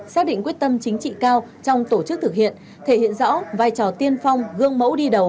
xác định quyết tâm chính trị cao trong tổ chức thực hiện thể hiện rõ vai trò tiên phong gương mẫu đi đầu